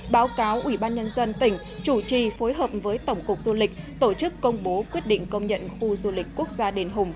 báo cáo ủy ban nhân dân tỉnh chủ trì phối hợp với tổng cục du lịch tổ chức công bố quyết định công nhận khu du lịch quốc gia đền hùng